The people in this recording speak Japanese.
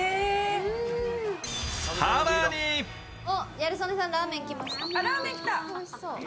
ギャル曽根さんラーメン来ました。